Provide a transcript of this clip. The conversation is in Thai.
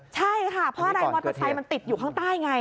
ใช่ค่ะเพราะอะไรมอเตอร์ไซค์มันติดอยู่ข้างใต้ไง